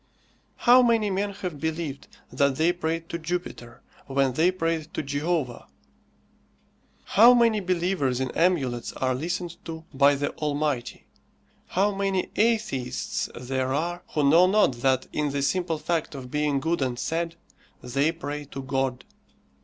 How many men have believed that they prayed to Jupiter, when they prayed to Jehovah! How many believers in amulets are listened to by the Almighty! How many atheists there are who know not that, in the simple fact of being good and sad, they pray to God!